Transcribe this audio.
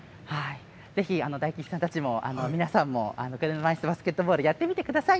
ぜひ大吉さんたちも皆さんも車いすバスケットボールやってみてください。